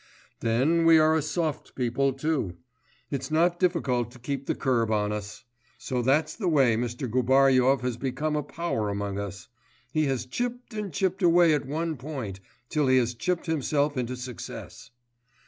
Then, we are a soft people too; it's not difficult to keep the curb on us. So that's the way Mr. Gubaryov has become a power among us; he has chipped and chipped away at one point, till he has chipped himself into success.